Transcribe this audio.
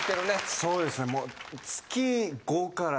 そうですねもう。